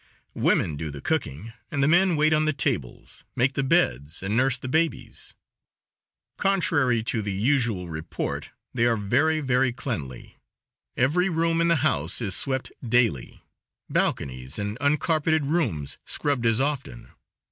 Women do the cooking, and the men wait on the tables, make the beds and nurse the babies. Contrary to the usual report, they are very, very cleanly. Every room in the house is swept daily; balconies and uncarpeted rooms scrubbed as often.